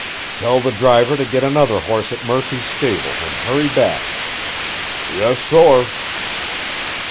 Tell the driver to get another horse at Murphy's stable and hurry back." "Yes sorr."